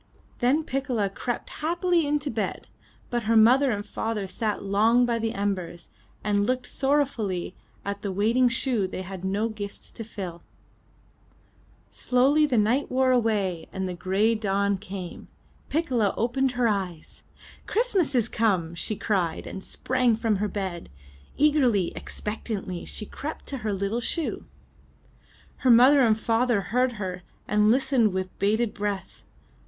Then Piccola crept happily into bed, but her mother and father sat long by the embers, and looked sorrow fully at the waiting shoe they had no gifts to fill. Slowly the night wore away and the gray dawn came. Piccola opened her eyes. ''Christmas is come!*' she cried and sprang from her bed. Eagerly, expectantly, she crept to her little shoe. Her mother and father heard her, and listened with bated breath.